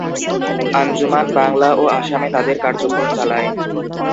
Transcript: আঞ্জুমান বাংলা ও আসামে তাদের কার্যক্রম চালায়।